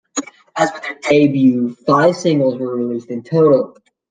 As with their debut, five singles were released in total.